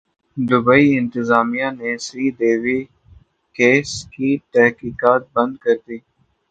Dubai انتظامیہ نے Sridevi case کی تحقیقات بند کردی